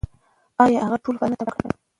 ایا هغه ټول فصلونه تباه کړل؟